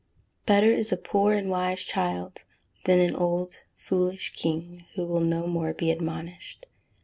[Verse: "Better is a poor and a wise child, than an old and foolish king who will no more be admonished."